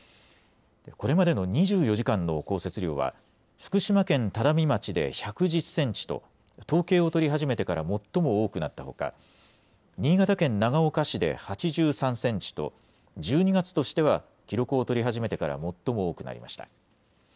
これまでの２４時間の降雪量は福島県只見町で１１０センチと統計を取り始めてから最も多くなったほか新潟県長岡市で８３センチと１２月としては記録を取り始めてから最も多くなりました。